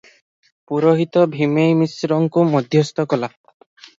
ପୂରୋହିତ ଭୀମେଇ ମିଶ୍ରଙ୍କୁ ମଧ୍ୟସ୍ଥ କଲା ।